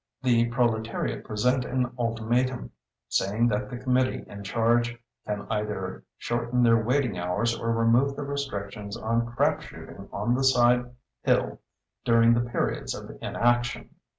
The proletariat present an ultimatum, saying that the Committee in charge can either shorten their waiting hours or remove the restrictions on crap shooting on the side hill during their periods of inaction.